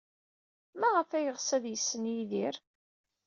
Maɣef ay yeɣs ad yessen Yidir?